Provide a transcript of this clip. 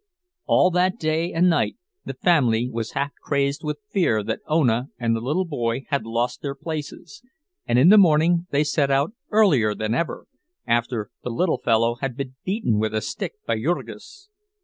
All that day and night the family was half crazed with fear that Ona and the boy had lost their places; and in the morning they set out earlier than ever, after the little fellow had been beaten with a stick by Jurgis.